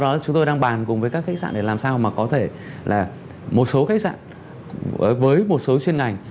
đó chúng tôi đang bàn cùng với các khách sạn để làm sao mà có thể là một số khách sạn với một số chuyên ngành